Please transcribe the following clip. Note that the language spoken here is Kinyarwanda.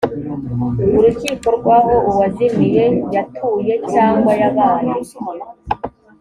urukiko rw aho uwazimiye yatuye cyangwa yabaye